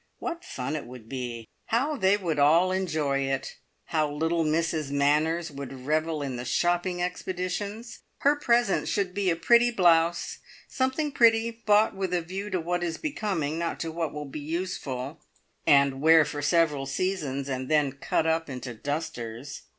What fun it would be! How they would all enjoy it! How little Mrs Manners would revel in the shopping expeditions! Her present should be a pretty blouse something pretty, bought with a view to what is becoming, and not to what will be useful, and wear for several seasons, and then cut up into dusters.